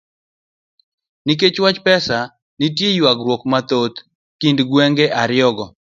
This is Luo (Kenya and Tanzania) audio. Nikech wach pesa, nitie ywaruok mathoth kind gwenge ariyogo.